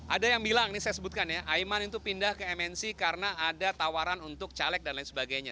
ada yang bilang ini saya sebutkan ya aiman itu pindah ke mnc karena ada tawaran untuk caleg dan lain sebagainya